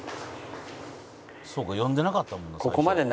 「そっか読んでなかったもんな最初」